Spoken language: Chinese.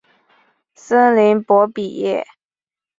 森林博比耶。